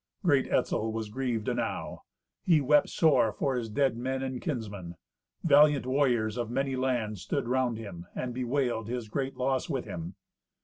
Great Etzel was grieved enow. He wept sore for his dead men and kinsmen. Valiant warriors of many lands stood round him, and bewailed his great loss with him.